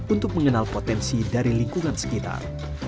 untuk mengenal potensi dari lingkungan sekitar